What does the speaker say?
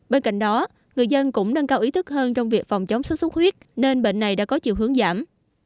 bên cạnh đó người dân cũng nâng cao ý thức hơn trong việc phòng chống xuất xuất huyết nên bệnh này đã có chiều hướng giảm